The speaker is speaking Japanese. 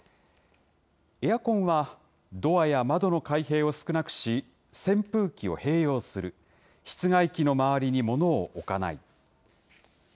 エアコンは、ドアや窓の開閉を少なくし、扇風機を併用する、室外機の周りに物を置かない。